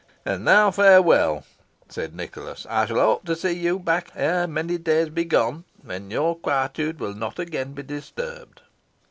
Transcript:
"And now farewell!" said Nicholas. "I shall hope to see you back again ere many days be gone, when your quietude will not again be disturbed."